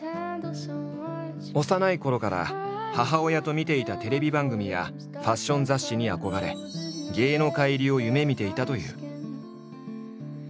幼いころから母親と見ていたテレビ番組やファッション雑誌に憧れ芸能界入りを夢みていたという。